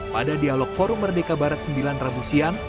pada dialog forum merdeka barat sembilan rabu siang